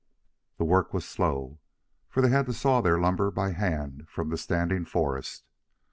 The work was slow, for they had to saw their lumber by hand from the standing forest.